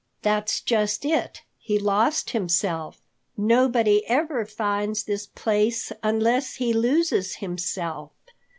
"That's just it; he lost himself. Nobody ever finds this place unless he loses himself.